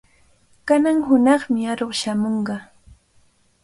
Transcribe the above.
Kanan hunaqmi aruq shamunqa.